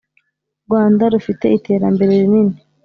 rwanda rufite iterambere rinini